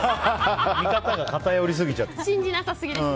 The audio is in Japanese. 見方が偏りすぎちゃって。